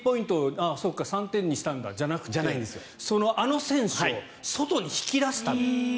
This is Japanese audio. あそうか３点にしたんだじゃなくてあの選手を外に引き出した。